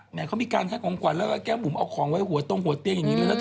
เขามีการให้ของขวัญแล้วก็แก้มบุ๋มเอาของไว้หัวตรงหัวเตียงอย่างนี้เลยนะเธอ